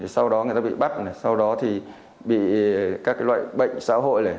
sau đó người ta bị bắt sau đó thì bị các loại bệnh xã hội